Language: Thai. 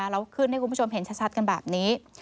เราขึ้นให้คุณผู้ชมเห็นชัดกันแบบนี้